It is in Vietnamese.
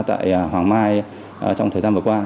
tại hoàng mai trong thời gian vừa qua